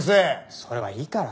それはいいから。